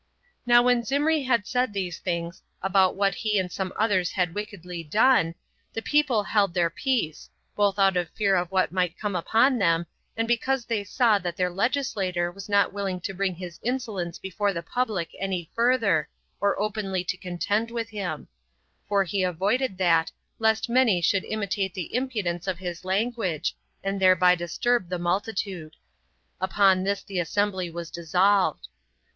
12. Now when Zimri had said these things, about what he and some others had wickedly done, the people held their peace, both out of fear of what might come upon them, and because they saw that their legislator was not willing to bring his insolence before the public any further, or openly to contend with him; for he avoided that, lest many should imitate the impudence of his language, and thereby disturb the multitude. Upon this the assembly was dissolved.